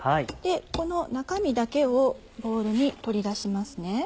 この中身だけをボウルに取り出しますね。